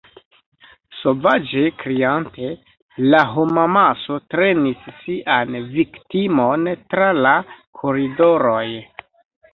Sovaĝe kriante, la homamaso trenis sian viktimon tra la koridoroj.